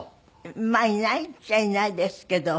まあいないっちゃいないですけど。